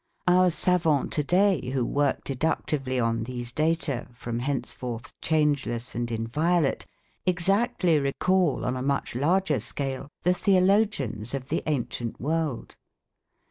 Our savants to day who work deductively on these data from henceforth changeless and inviolate, exactly recall on a much larger scale the theologians of the ancient world.